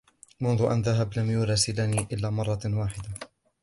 منذ أن ذهب ، لم يراسلني إلا مرة واحدة.